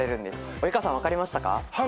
及川さん分かりましたか？